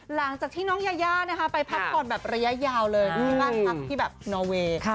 หลังจากที่น้องยาไปพักก่อนระยะยาวเลยรักพักที่นอเวย์